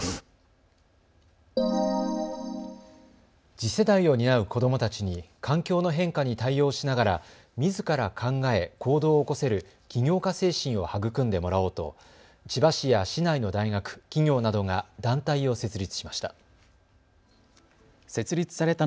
次世代を担う子どもたちに環境の変化に対応しながらみずから考え行動を起こせる起業家精神を育んでもらおうと千葉市や市内の大学、企業などが団体を設立しました。